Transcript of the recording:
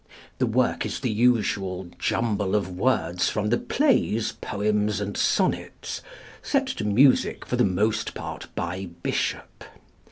The work is the usual jumble of words from the plays, poems, and sonnets, set to music for the most part by Bishop.